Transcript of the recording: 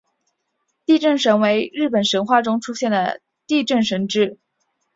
地震神为日本神话中出现的地震神只。